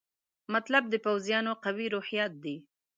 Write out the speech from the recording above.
مطلب د پوځیانو قوي روحیات دي.